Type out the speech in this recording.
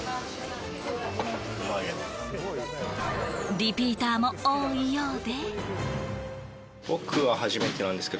リピーターも多いようで。